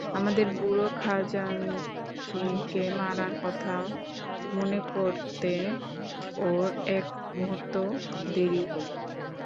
আমাদের বুড়ো খাজাঞ্চিকে মারার কথা মনে করতে ওর এক মুহূর্তও দেরি হল না।